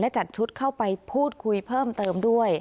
จัดชุดเข้าไปพูดคุยเพิ่มเติมด้วย